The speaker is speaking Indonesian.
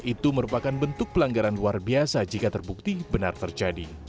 itu merupakan bentuk pelanggaran luar biasa jika terbukti benar terjadi